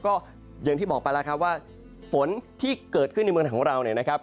ก็อย่างที่บอกไปแล้วครับว่าฝนที่เกิดขึ้นในเมืองของเราเนี่ยนะครับ